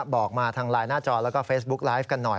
บอกมาทางไลน์หน้าจอแล้วก็เฟซบุ๊กไลฟ์กันหน่อย